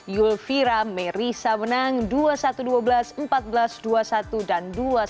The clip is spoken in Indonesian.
yulvira merisa menang dua satu dua belas empat belas dua puluh satu dan dua satu